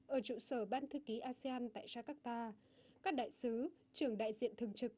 ở trụ sở ban thư ký asean tại jakarta các đại sứ trưởng đại diện thường trực